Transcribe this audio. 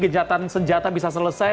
gejatan senjata bisa selesai